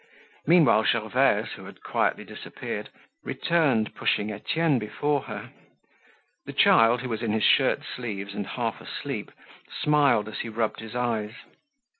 Meanwhile Gervaise, who had quietly disappeared, returned pushing Etienne before her. The child, who was in his shirt sleeves and half asleep, smiled as he rubbed his eyes.